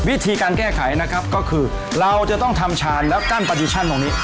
วิธีการแก้ไขนะครับก็คือเราจะต้องทำชานแล้วกั้นประดิชั่นตรงนี้